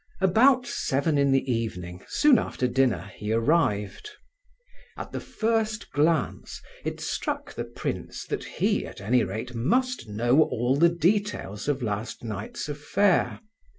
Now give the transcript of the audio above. About seven in the evening, soon after dinner, he arrived. At the first glance it struck the prince that he, at any rate, must know all the details of last night's affair.